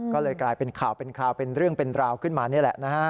ก็เลยกลายเป็นข่าวเป็นคราวเป็นเรื่องเป็นราวขึ้นมานี่แหละนะฮะ